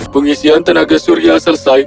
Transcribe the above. pengisian tenaga surya selesai